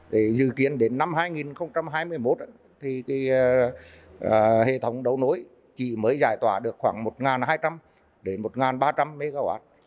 để dự kiến đến năm hai nghìn hai mươi một thì hệ thống đấu nối chỉ mới giải tỏa được khoảng một hai trăm linh đến một ba trăm linh mw